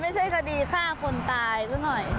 ไม่ใช่คดีฆ่าคนตายซะหน่อย